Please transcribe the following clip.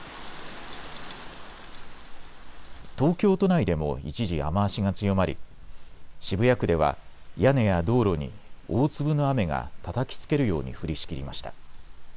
東京都内でも一時、雨足が強まり渋谷区では屋根や道路に大粒の雨がたたきつけるように降りしきりました。